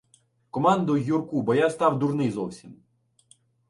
— Командуй, Юрку, бо я став дурний зовсім.